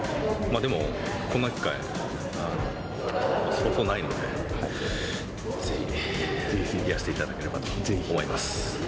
でもこんな機会そうそうないのでぜひやらせていただければと思います。